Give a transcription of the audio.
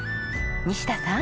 西田さん。